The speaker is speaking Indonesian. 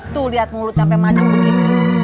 tuh liat mulut sampe maju begitu